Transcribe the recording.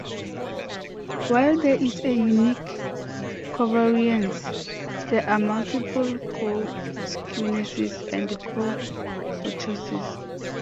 While there is a unique covariance, there are multiple co-skewnesses and co-kurtoses.